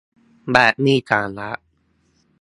แบบมีสาระ